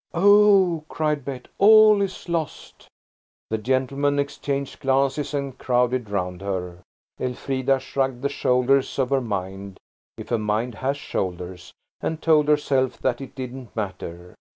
"Oh!" cried Bet," all is lost!" The gentlemen exchanged glances and crowded round her. Elfrida shrugged the shoulders of her mind–if a mind has shoulders–and told herself that it didn't matter.